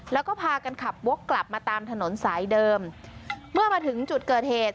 แล้วก็พากันขับวกกลับมาตามถนนสายเดิมเมื่อมาถึงจุดเกิดเหตุ